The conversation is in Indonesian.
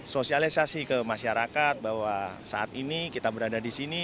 sosialisasi ke masyarakat bahwa saat ini kita berada di sini